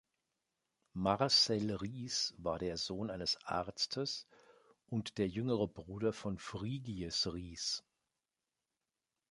Marcel Riesz war der Sohn eines Arztes und der jüngere Bruder von Frigyes Riesz.